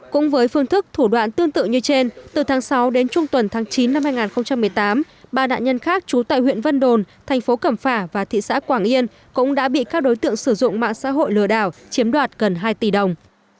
cũng với phương thức thủ đoạn tương tự như trên từ tháng sáu đến trung tuần tháng chín năm hai nghìn một mươi tám ba nạn nhân khác trú tại huyện vân đồn thành phố cẩm phả và thị xã quảng yên cũng đã bị các đối tượng sử dụng mạng xã hội lừa đảo chiếm đoạt gần hai tỷ đồng